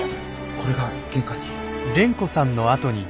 これが玄関に。